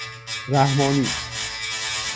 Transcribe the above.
رحمانی